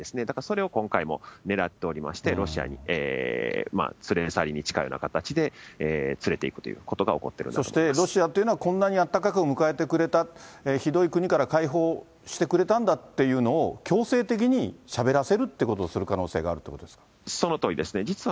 だから、それを今回もねらっておりまして、ロシアに連れ去りに近いような形で、連れていくということが起こっているんだと思いまそしてロシアというのは、こんなにあったかく迎えてくれた、ひどい国から解放してくれたんだっていうのを、強制的にしゃべらされるっていうことをする可能性があるというこそのとおりですね。